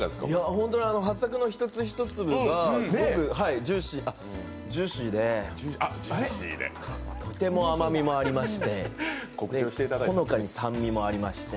本当にはっさくの一粒一粒があ、ジューシーで、とても甘みもありまして、ほのかに酸味もありまして